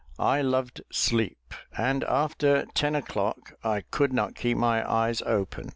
I loved sleep, and, after ten o'clock, I could not keep my eyes open.